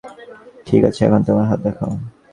ঠিক আছে, এখন তোমার হাত দেখো।